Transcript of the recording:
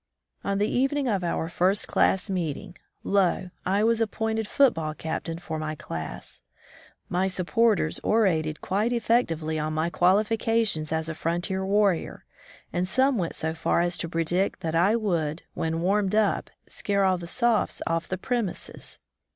On the evening of our first class meeting, lo ! I was appointed football captain for my class. My supporters orated quite eflfectively on my qualifications as a frontier warrior, and some went so far as to predict that I would, when warmed up, scare all the Sophs oflf the premises!